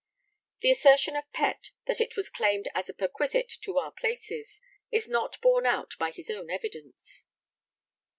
The assertion of Pett that it was 'claimed as a perquisite to our places' is not borne out by his own evidence.